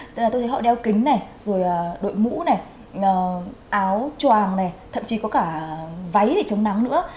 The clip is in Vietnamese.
tức là tôi thấy họ đeo kính này rồi đội mũ này áo choàng này thậm chí có cả váy để chống nắng nữa